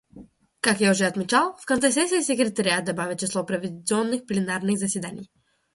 Как я уже отмечал, в конце сессии секретариат добавит число проведенных пленарных заседаний.